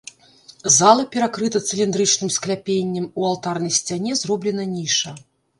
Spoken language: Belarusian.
Зала перакрыта цыліндрычным скляпеннем, у алтарнай сцяне зроблена ніша.